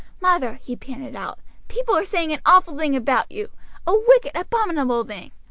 "Mother," he panted out, "people are saying an awful thing about you, a wicked, abominable thing.